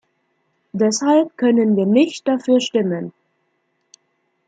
Deshalb können wir nicht dafür stimmen.